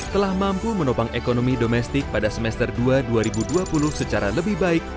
telah mampu menopang ekonomi domestik pada semester dua dua ribu dua puluh secara lebih baik